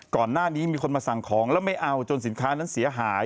ก่อนหน้านี้มีคนมาสั่งของแล้วไม่เอาจนสินค้านั้นเสียหาย